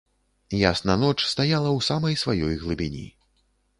Ясна ноч стаяла ў самай сваёй глыбіні.